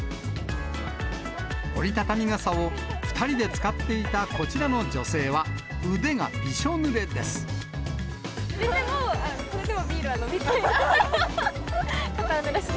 折り畳み傘を２人で使っていたこちらの女性は、腕がびしょぬれです。